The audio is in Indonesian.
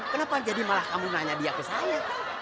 kenapa jadi malah kamu nanya dia ke saya